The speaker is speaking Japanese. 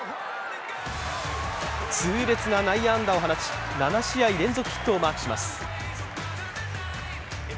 痛烈な内野安打を放ち、７試合連続ヒットをマークします。